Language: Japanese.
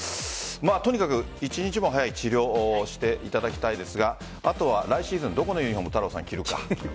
とにかく一日も早い治療をしていただきたいですが来シーズンどこのユニホームを着るか。